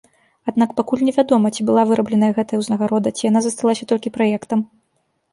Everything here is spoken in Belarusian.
Аднак пакуль не вядома, ці была вырабленая гэтая ўзнагарода, ці яна засталася толькі праектам.